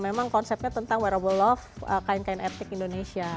memang konsepnya tentang wearable love kain kain etik indonesia